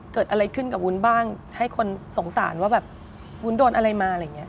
เกิดอะไรขึ้นกับอุ้นบ้างให้คนสงสารว่าอุ้นโดนอะไรมา